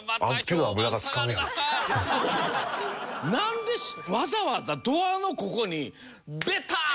なんでわざわざドアのここにベターン！